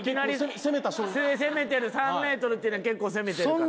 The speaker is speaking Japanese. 攻めてる３メートルっていうのは結構攻めてるから。